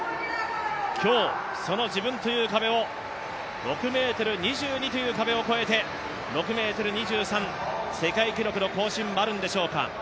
今日その自分という壁を、６ｍ２２という壁を超えて、６ｍ２３、世界記録の更新はあるんでしょうか。